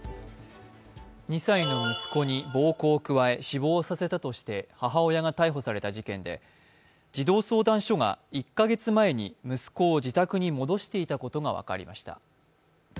２歳の息子に暴行を加え死亡させたとして母親が逮捕された事件で、児童相談所が１か月前に息子を自宅に戻していたことが分かりました。